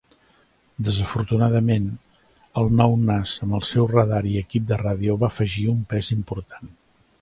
Desafortunadament, el nou nas amb el seu radar i equip de ràdio va afegir un pes important.